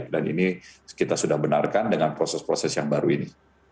dan ini kita sudah benarkan dengan proses proses yang baru ini